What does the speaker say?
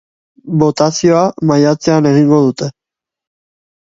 Botazioa maiatzean egingo dute.